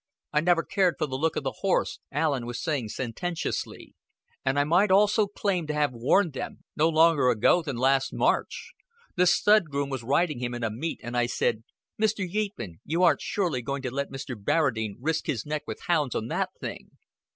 "I never cared for the look of the horse," Allen was saying sententiously. "And I might almost claim to have warned them no longer ago than last March. The stud groom was riding him at a meet, and I said, 'Mr. Yeatman, you aren't surely going to let Mr. Barradine risk his neck with hounds on that thing?'